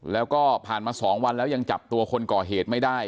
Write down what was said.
แล้วก็ผ่านมา๒วันแล้วยังจับตัวคนก่อเหตุไม่ได้